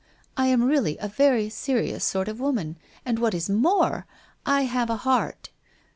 I am really a very serious sort of womaD, and what is more, I have a heart.